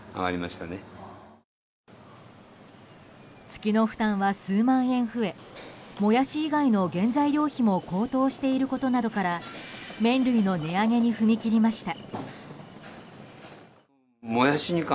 月の負担は数万円増えモヤシ以外の原材料費も高騰していることなどから麺類の値上げに踏み切りました。